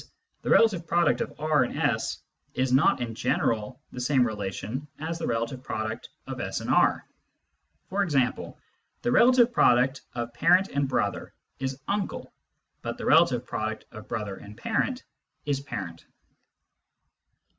the relative product of R and S is not in general the same relation as the relative product of S and R. E.g. the relative product of parent and brother is uncle, but the relative product of brother and parent is parent.